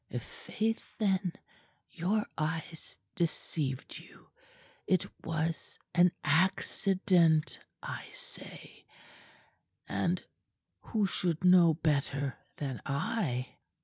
"I'faith, then, your eyes deceived you. It was an accident, I say and who should know better than I?"